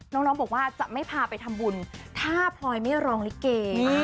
น้องบอกว่าจะไม่พาไปทำบุญถ้าพลอยไม่ร้องลิเก